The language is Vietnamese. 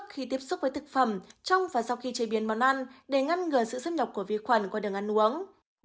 khi tiếp xúc với thực phẩm trong và sau khi chế biến món ăn để ngăn ngừa sự xâm nhập của vi khuẩn qua đường ăn uống